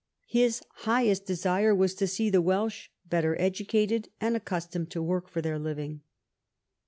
His highest desire was to see the Welsh better educated and accustomed to work for their liWng.